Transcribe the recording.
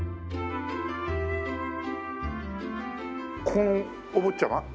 ここのお坊ちゃま？